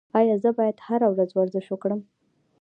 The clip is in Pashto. ایا زه باید هره ورځ ورزش وکړم؟